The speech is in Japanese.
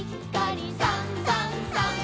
「さんさんさん」